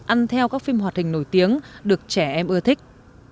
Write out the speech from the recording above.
ăn theo các phim hoạt hình nổi tiếng được trẻ em ưa thích